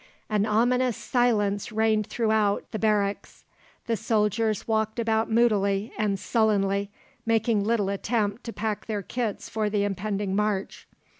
An ominous silence reigned throughout the barracks. The soldiers walked about moodily and sullenly, making little attempt to pack their kits for the impending march.